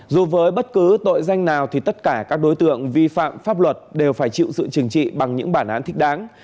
dù với bất cứ tội danh nào thì tất cả các đối tượng vi phạm pháp luật đều phải chịu sự trừng trị bằng những bản án thích đáng